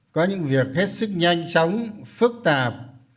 có những việc hết sức nhanh chóng phức tạp